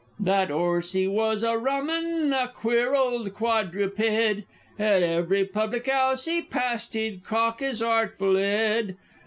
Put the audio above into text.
_ That 'orse he was a rum 'un a queer old quadru pèd, At every public 'ouse he passed he'd cock his artful 'ed!